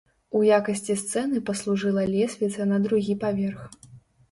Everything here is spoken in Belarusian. У якасці сцэны паслужыла лесвіца на другі паверх.